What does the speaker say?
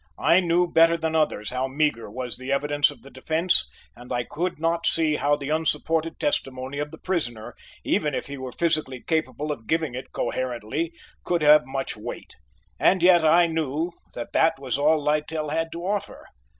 I knew better than others how meagre was the evidence of the defence and I could not see how the unsupported testimony of the prisoner, even if he were physically capable of giving it coherently, could have much weight; and yet I knew that that was all Littell had to offer.